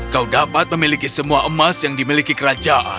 kau dapat memiliki semua emas yang dimiliki kerajaan